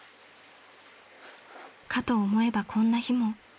［かと思えばこんな日も］